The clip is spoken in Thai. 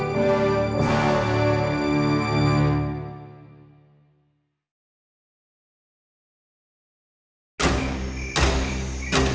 สัมพันธ์พรชาติ